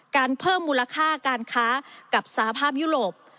เพิ่มมูลค่าการค้ากับสหภาพยุโรป